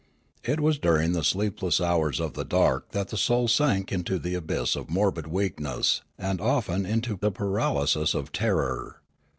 It was during the sleepless hours of the dark that the soul sank into the abyss of morbid weakness and often into the paralysis of terror.